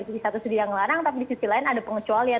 di satu sedia ngelarang tapi di sisi lain ada pengecualian